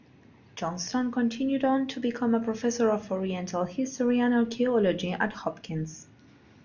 Johnston continued on to become a Professor of Oriental History and Archaeology at Hopkins.